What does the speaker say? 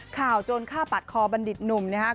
โจรฆ่าปัดคอบัณฑิตหนุ่มนะครับ